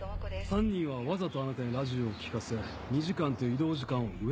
犯人はわざとあなたにラジオを聞かせ２時間という移動時間を植え付けた。